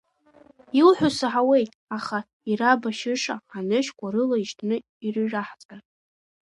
Иуҳәо саҳауеит, аха ирабашьыша анышьқәа рыла ишьҭны ирыжәаҳҵар!